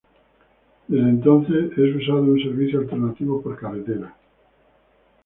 Desde entonces es usado un servicio alternativo por carretera.